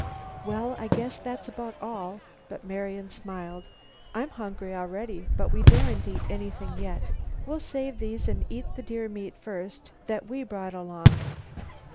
"Well, I guess that's about all," but Marian smiled. "I'm hungry already, but we daren't eat anything yet. We'll save these and eat the deer meat first that we brought along."